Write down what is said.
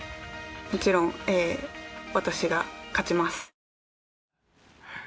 もちろん私が勝ちます。